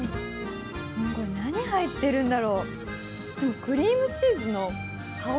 何入ってるんだろう？